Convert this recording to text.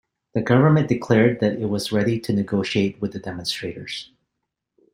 The government declared that it was ready to negotiate with the demonstrators.